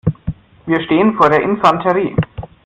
Wir stehen vor der Infanterie.